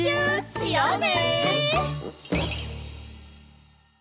しようね！